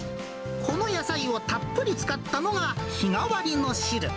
この野菜をたっぷり使ったのが、日替わりの汁。